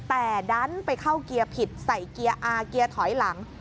แต่ดันไปเข้าเกียร์ผิดใส่เกียร์อาเกียร์ถอยหลัง